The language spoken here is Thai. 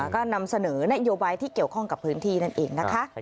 ก็นำเสนอนโยบายที่เกี่ยวข้องกับพื้นที่นั่นเองนะคะ